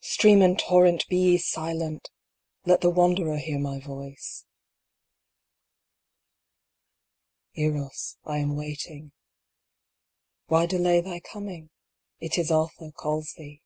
Stream and torrent, be ye silent ! Let the wanderer hear my voice. Eros, I am waiting. Why delay thy coming ? It is Atha calls thee.